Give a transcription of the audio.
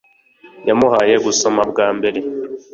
yamuhaye gusoma bwa mbere